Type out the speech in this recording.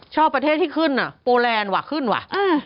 ชอบประเทศที่ขึ้นโปรแลนด์ขึ้นว่ะ